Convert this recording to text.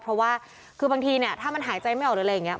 เพราะว่าคือบางทีเนี่ยถ้ามันหายใจไม่ออกหรืออะไรอย่างนี้